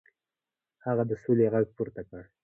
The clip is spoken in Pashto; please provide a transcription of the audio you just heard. هغه د سولې غږ پورته کړ.